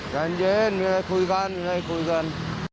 ใจเย็นมีอะไรคุยกัน